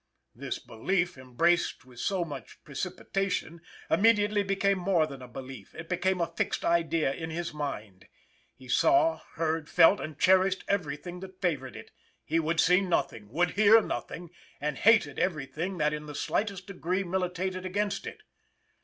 This belief, embraced with so much precipitation, immediately became more than a belief; it became a fixed idea in his mind. He saw, heard, felt and cherished every thing that favored it. He would see nothing, would hear nothing, and hated every thing, that in the slightest degree militated against it.